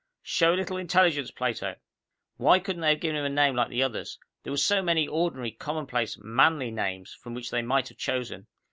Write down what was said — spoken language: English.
"Show a little intelligence, Plato." Why couldn't they have given him a name like the others? There were so many ordinary, commonplace, manly names from which they might have chosen.